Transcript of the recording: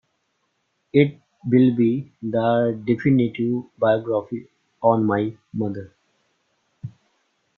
It will be the definitive biography on my mother.